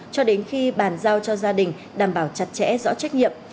cho đến khi bàn giao cho gia đình đảm bảo chặt chẽ rõ trách nhiệm